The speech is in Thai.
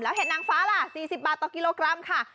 เห็ดนางฟ้าล่ะ๔๐บาทต่อกิโลกรัมค่ะ